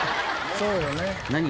そうよね。